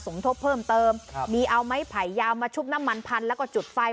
ทบเพิ่มเติมครับมีเอาไม้ไผ่ยาวมาชุบน้ำมันพันแล้วก็จุดไฟ